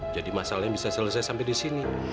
jadi masalahnya bisa selesai sampai disini